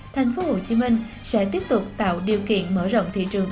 thành phố hồ chí minh sẽ tiếp tục tạo điều kiện mở rộng thị trường